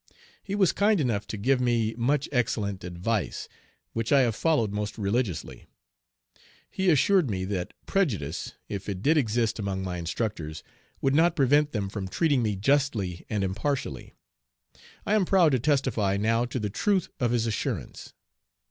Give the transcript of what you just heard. He was kind enough to give me much excellent advice, which I have followed most religiously. He assured me that prejudice, if it did exist among my instructors, would not prevent them from treating me justly and impartially. I am proud to testify now to the truth of his assurance.